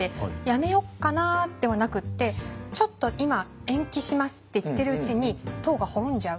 「やめよっかな」ではなくって「ちょっと今延期します」って言ってるうちに唐が滅んじゃう。